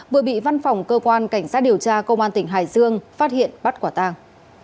vừa bị văn phòng cơ quan cảnh sát điều tra công an tỉnh hải dương phát hiện bắt quả tàng